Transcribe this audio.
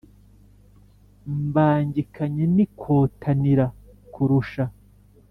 Mbangikanye n'Inkotanira kurusha,